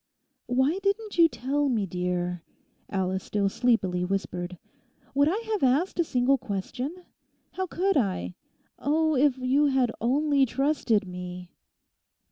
'Why didn't you tell me, dear?' Alice still sleepily whispered. 'Would I have asked a single question? How could I? Oh, if you had only trusted me!